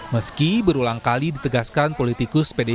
meski berulang kali ditegaskan politikus pdi perintah